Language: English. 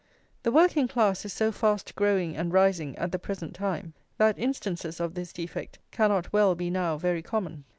The working class is so fast growing and rising at the present time, that instances of this defect cannot well be now very common.